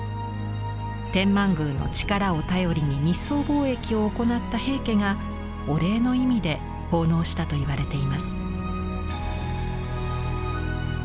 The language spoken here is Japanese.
天満宮の力を頼りに日宋貿易を行った平家がお礼の意味で奉納したといわれています。